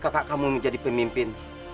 kakak kamu menjadi pemimpin